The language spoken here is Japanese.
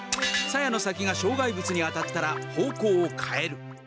さやの先が障害物に当たったら方向をかえる。